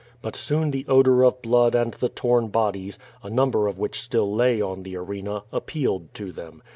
But soon the odor of blood and the torn bodies, a number of which still lay on the arena, appealed to them.